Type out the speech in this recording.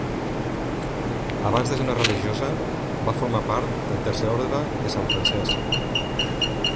Abans de ser una religiosa, va formar part del Tercer Orde de Sant Francesc.